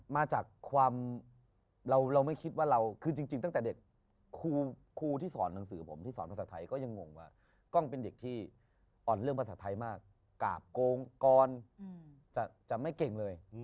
มาจากความเราไม่คิดว่าเราคือจริงตั้งแต่เด็กครูที่สอนหนังสือผมที่สอนภาษาไทยก็ยังงงว่ากล้องเป็นเด็กที่อ่อนเรื่องภาษาไทยมากกราบโกงกรจะไม่เก่งเลย